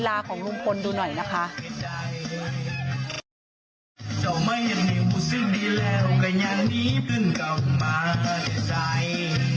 เป็นอย่างนี้พึ่งกลับมาเจ็ดใส